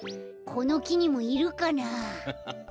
このきにもいるかなあ？